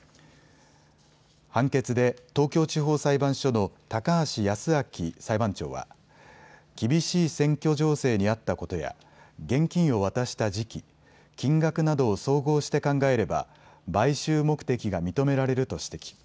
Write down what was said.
判決で東京地方裁判所の高橋康明裁判長は厳しい選挙情勢にあったことや現金を渡した時期、金額などを総合して考えれば買収目的が認められると指摘。